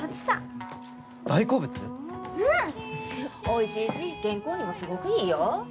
おいしいし健康にもすごくいいよ。